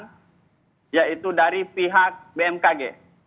yaitu dari pihak bmkg